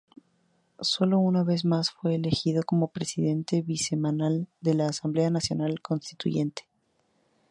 Sólo una vez más fue elegido como presidente bisemanal de la Asamblea Nacional Constituyente.